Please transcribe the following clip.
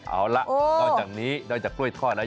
เอาล่ะนอกจากกล้วยทอดเนี้ย